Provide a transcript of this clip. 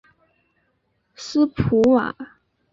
斯普瓦。